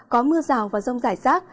có mưa rào và rông giải rác